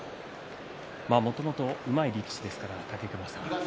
もともとうまい力士ですからね武隈さん。